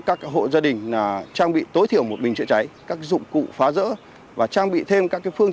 các hộ gia đình trang bị tối thiểu một bình chữa cháy các dụng cụ phá rỡ và trang bị thêm các phương